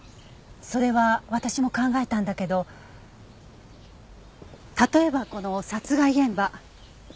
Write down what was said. それは私も考えたんだけど例えばこの殺害現場。